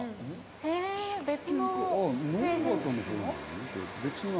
へえ別の成人式の？